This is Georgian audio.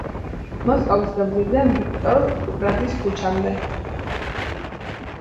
მოსკოვის გამზირიდან ვიქტორ კუპრაძის ქუჩამდე.